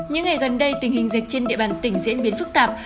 những ngày gần đây tình hình dịch trên địa bàn tỉnh diễn biến phức tạp